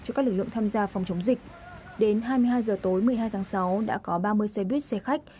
cho các lực lượng tham gia phòng chống dịch